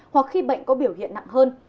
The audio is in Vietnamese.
hoặc khi bệnh có biểu hiện nặng hơn